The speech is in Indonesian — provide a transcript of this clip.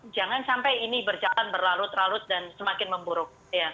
jangan sampai ini berjalan berlalut lalut dan semakin memburuk